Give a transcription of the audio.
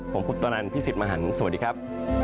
ผมพุทธนันพี่สิทธิ์มหันฯสวัสดีครับ